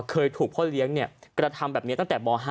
เคยถูกพ่อเลี้ยงกระทำแบบนี้ตั้งแต่ม๕